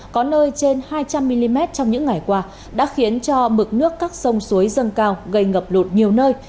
có nơi trên hai trăm linh mm trong những ngày qua đã khiến cho mực nước các sông suối dâng cao gây ngập lụt nhiều nơi